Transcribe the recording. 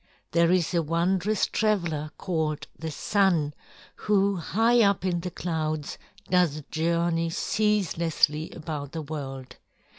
"There is a wondrous traveler called the Sun who high up in the clouds does journey ceaselessly about the world.